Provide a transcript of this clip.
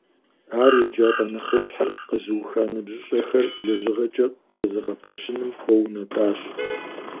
Ар еджапӀэ нэхъыщхьэр къэзуха ныбжьыщӀэхэр лэжьыгъэкӀэ къызэгъэпэщыным хуэунэтӀащ.